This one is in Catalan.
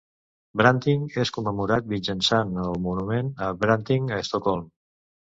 Branting és commemorat mitjançant el monument a Branting a Estocolm.